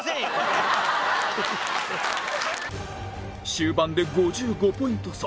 終盤で５５ポイント差